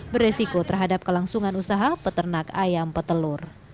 beresiko terhadap kelangsungan usaha peternak ayam petelur